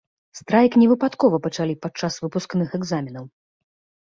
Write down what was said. Страйк не выпадкова пачалі падчас выпускных экзаменаў.